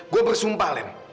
gue bersumpah len